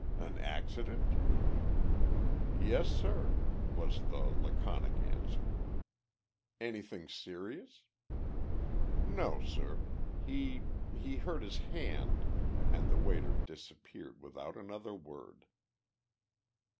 "An accident?" "Yes, sir," was the laconic answer. "Anything serious?" "No, sir. He he hurt his hand," and the waiter disappeared without another word.